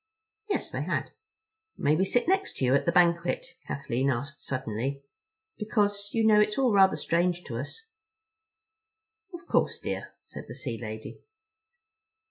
Yes—they had. "May we sit next you at the banquet?" Kathleen asked suddenly, "because, you know, it's all rather strange to us." "Of course, dear," said the sea lady.